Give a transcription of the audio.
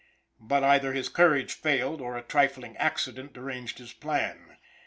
But either his courage failed, or a trifling accident deranged his plan.